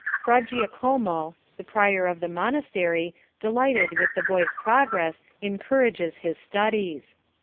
"...Fra Giacomo, the prior of the monastery, delighted with the boy's progress, encourages his studies."